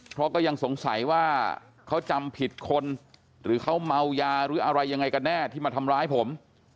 เพราะก็ยังสงสัยว่าเขาจำผิดคนหรือเขาเมายาหรืออะไรยังไงกันแน่ที่มาทำร้ายผม